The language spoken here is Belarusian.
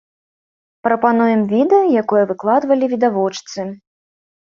Прапануем відэа, якое выкладвалі відавочцы.